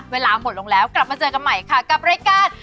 เวลาหมดลงแล้วกลับมาเจอกันใหม่ค่ะกับรายการ